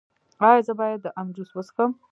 ایا زه باید د ام جوس وڅښم؟